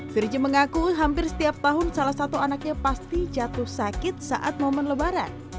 virgi mengaku hampir setiap tahun salah satu anaknya pasti jatuh sakit saat momen lebaran